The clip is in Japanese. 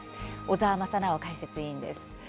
小澤正修解説委員です。